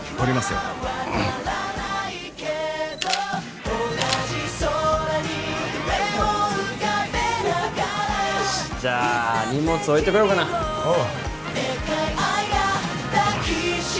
よしじゃあ荷物置いてこようかなおう